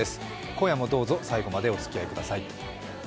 今夜もどうぞ最後までお付き合いください。